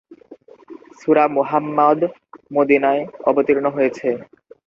সূরা মুহাম্মদ মদীনায় অবতীর্ণ হয়েছে।